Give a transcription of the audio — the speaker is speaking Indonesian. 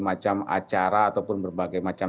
macam acara ataupun berbagai macam